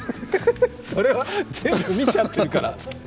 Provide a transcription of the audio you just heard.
それは全部見ちゃったから。